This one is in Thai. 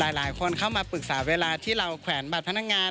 หลายคนเข้ามาปรึกษาเวลาที่เราแขวนบัตรพนักงาน